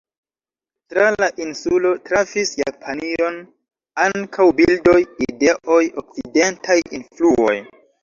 Tra la insulo trafis Japanion ankaŭ bildoj, ideoj, okcidentaj influoj.